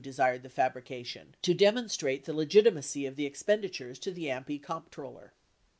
881 desired the fabrication to demonstrate the legitimacy of the expendi tures to the AMPI comptroller.